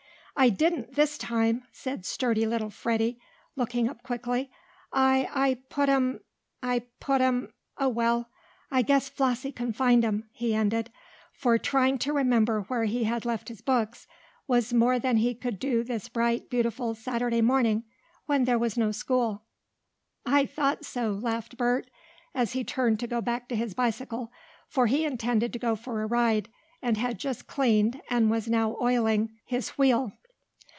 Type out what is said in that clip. "I didn't this time!" said sturdy little Freddie, looking up quickly. "I I put 'em I put 'em oh, well, I guess Flossie can find 'em!" he ended, for trying to remember where he had left his books was more than he could do this bright, beautiful, Saturday morning, when there was no school. "I thought so!" laughed Bert, as he turned to go back to his bicycle, for he intended to go for a ride, and had just cleaned, and was now oiling, his wheel.